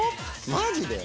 マジで？